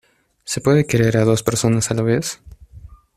¿ se puede querer a dos personas a la vez?